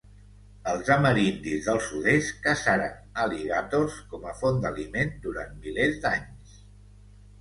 Els amerindis del sud-est caçaren al·ligàtors com a font d'aliment durant milers d'anys.